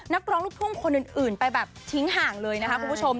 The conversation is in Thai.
นักร้องลูกทุ่งคนอื่นไปแบบทิ้งห่างเลยนะคะคุณผู้ชม